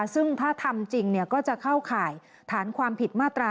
ซึ่งถ้าทำจริงก็จะเข้าข่ายฐานความผิดมาตรา๑